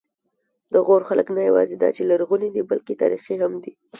د غور خلک نه یواځې دا چې لرغوني دي، بلکې تاریخي هم دي.